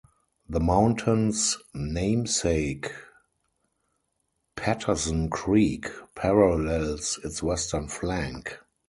The mountain's namesake, Patterson Creek, parallels its western flank.